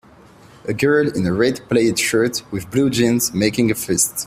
A girl in a red plaid shirt with blue jeans making a fist.